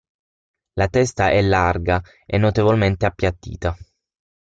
La testa è larga e notevolmente appiattita.